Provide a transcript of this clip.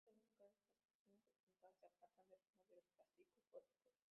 Particularmente, las caras de las personas representadas se apartan de los modelos plásticos góticos.